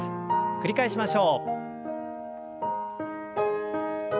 繰り返しましょう。